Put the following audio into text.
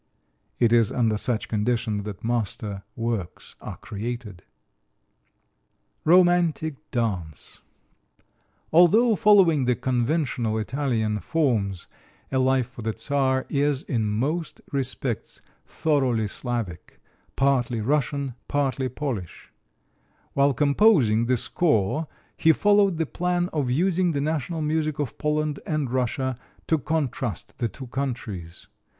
It is under such conditions that master works are created. [Illustration: ROMANTIC DANCE] [Illustration: A MOUJIK (PEASANT) DANCE] Although following the conventional Italian forms, "A Life for the Czar" is in most respects thoroughly Slavic partly Russian, partly Polish. While composing the score he followed the plan of using the national music of Poland and Russia to contrast the two countries.